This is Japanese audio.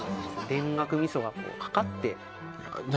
田楽味噌がこうかかってやだ